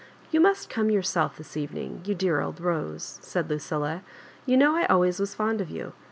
" You must come yourself this evening, you dear old Bose," said Lucilla. "You know I al ways was fond of you.